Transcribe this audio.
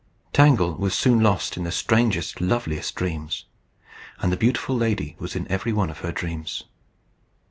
Tangle was soon lost in the strangest, loveliest dreams. And the beautiful lady was in every one of her dreams.